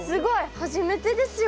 初めてですよ。